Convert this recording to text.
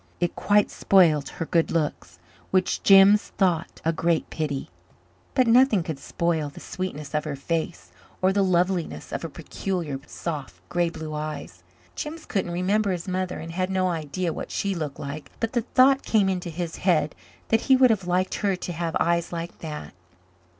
It quite spoilt her good looks, which Jims thought a great pity; but nothing could spoil the sweetness of her face or the loveliness of her peculiar soft, grey blue eyes. Jims couldn't remember his mother and had no idea what she looked like, but the thought came into his head that he would have liked her to have eyes like that.